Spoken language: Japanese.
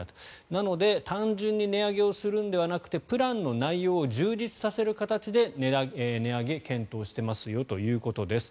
なので単純に値上げをするのではなくてプランの内容を充実させる形で値上げを検討してますよということです。